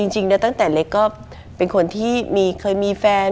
จริงแล้วตั้งแต่เล็กก็เป็นคนที่เคยมีแฟน